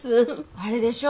あれでしょ？